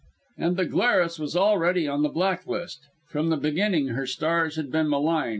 And the Glarus was already on the black list. From the beginning her stars had been malign.